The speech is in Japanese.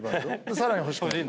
さらに欲しくなる。